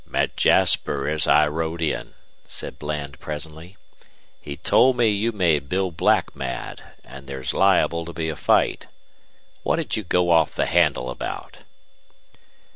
"Met Jasper as I rode in," said Bland, presently. "He told me you made Bill Black mad, and there's liable to be a fight. What did you go off the handle about?"